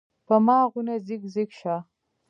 پۀ ما غونے زګ زګ شۀ ـ